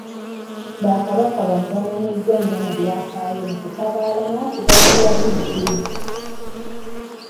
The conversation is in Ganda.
Bakabaka bano bamanyiddwa nnyo mu byafaayo mu kutabaala n’okugaziya Buddu.